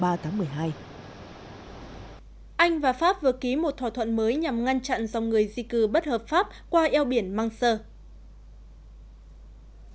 anh và pháp vừa ký một thỏa thuận mới nhằm ngăn chặn dòng người di cư bất hợp pháp qua eo biển mansur